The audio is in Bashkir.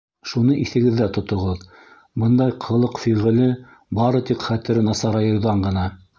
Шуны иҫегеҙҙә тотоғоҙ: бындай ҡылыҡ-фиғеле бары тик хәтере насарайыуҙан ғына.